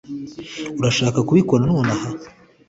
Urashaka kubikora nonaha